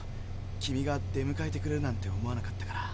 君が出むかえてくれるなんて思わなかったから。